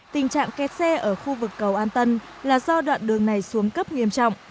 tình trạng kẹt xe ở khu vực cầu an tân là do đoạn đường này xuống cấp nghiêm trọng